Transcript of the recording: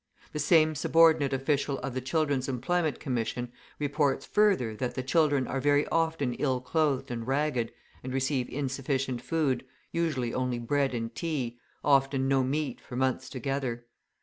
{192a} The same subordinate official of the Children's Employment Commission reports further that the children are very often ill clothed and ragged, and receive insufficient food, usually only bread and tea, often no meat for months together.